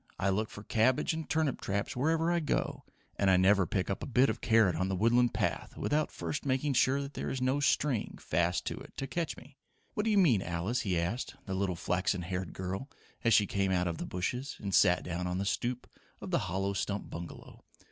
"I look for cabbage and turnip traps wherever I go, and I never pick up a bit of carrot on the Woodland path without first making sure there is no string fast to it, to catch me. What do you mean, Alice?" he asked the little flaxen haired girl as she came out of the bushes and sat down on the stoop of the hollow stump bungalow.